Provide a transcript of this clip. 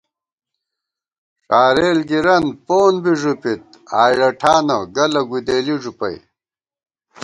ݭارېل گِرَن پون بی ݫُپِت ، آئڑہ ٹھانہ، گَلہ گُدېلی ݫُپَئ